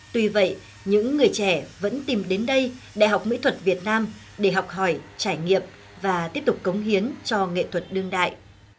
tuy vậy những người trẻ vẫn tìm đến đây đại học mỹ thuật việt nam để học hỏi trải nghiệm và tiếp tục cống hiến cho nghệ thuật đương đại